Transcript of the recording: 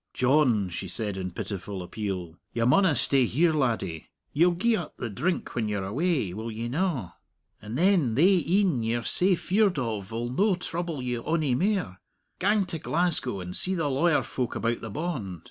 "John," she said, in pitiful appeal, "you maunna stay here, laddie. Ye'll gie up the drink when you're away will ye na? and then thae een ye're sae feared of'll no trouble you ony mair. Gang to Glasgow and see the lawyer folk about the bond.